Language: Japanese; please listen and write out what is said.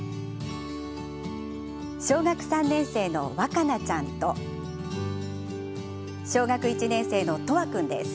小学３年のわかなちゃんと小学１年の叶和君です。